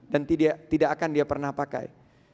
dan tidak akan dia pernah pakai